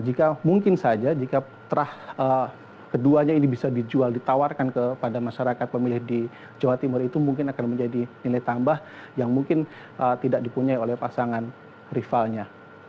jika mungkin saja jika terah keduanya ini bisa dijual ditawarkan kepada masyarakat pemilih di jawa timur itu mungkin akan menjadi nilai tambah yang mungkin tidak dipunyai oleh pasangan rivalnya